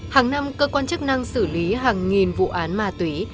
hàng năm cơ quan chức năng xử lý hàng nghìn vụ án ma túy